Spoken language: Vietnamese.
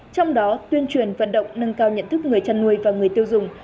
trong đó tuyên truyền vận động nâng cao nhận thức người chăn nuôi và người tiêu dùng